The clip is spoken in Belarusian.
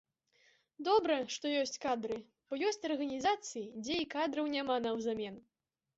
Добра, што ёсць кадры, бо ёсць арганізацыі, дзе і кадраў няма наўзамен!